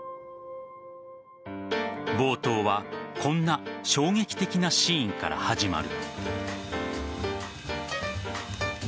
冒頭はこんな衝撃的なシーンから始まる。